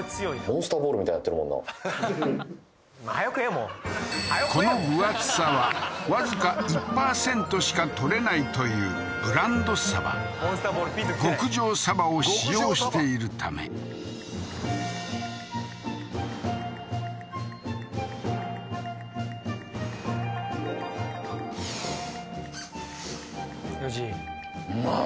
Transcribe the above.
もうこの分厚さはわずか１％しか獲れないというブランドサバ極上サバを使用しているためおいしい？